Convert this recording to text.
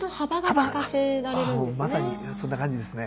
まさにそんな感じですね。